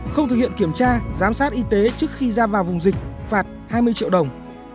không thực hiện kiểm tra giám sát y tế trước khi ra vào vùng dịch phạt hai mươi triệu đồng